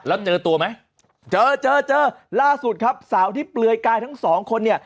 แล้วเจอตัวไหมเจอเจอเจอล่าสุดครับสาวที่เปลือยกายทั้งสองคนเนี่ย